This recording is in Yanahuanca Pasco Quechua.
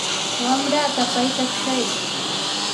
wamrataa paytakushayki.